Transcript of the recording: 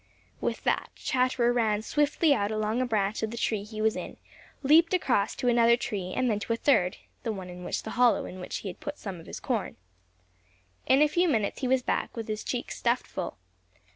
With that Chatterer ran swiftly out along a branch of the tree he was in, leaped across to another tree and then to a third, the one in which was the hollow in which he had put some of the corn. In a few minutes he was back, with his cheeks stuffed full.